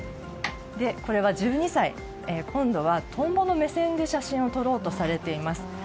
これは１２歳、今度はトンボの目線で写真を撮ろうとされています。